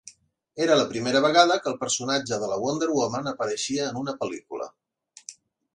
Era la primera vegada que el personatge de la Wonder woman apareixia en una pel·lícula.